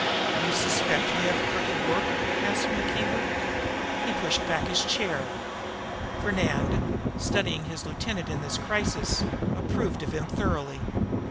"Do you suspect me of crooked work?" asked McKeever. He pushed back his chair. Fernand, studying his lieutenant in this crisis, approved of him thoroughly.